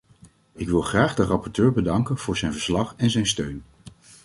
Ik wil graag de rapporteur bedanken voor zijn verslag en zijn steun.